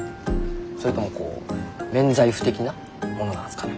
それとも免罪符的なものなんすかね。